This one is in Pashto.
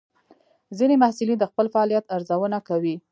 ځینې محصلین د خپل فعالیت ارزونه کوي.